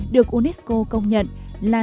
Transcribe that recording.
được unesco công nhận là